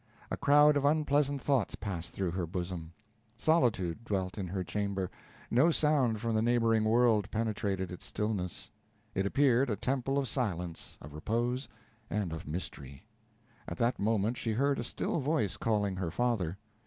A crowd of unpleasant thoughts passed through her bosom. Solitude dwelt in her chamber no sound from the neighboring world penetrated its stillness; it appeared a temple of silence, of repose, and of mystery. At that moment she heard a still voice calling her father.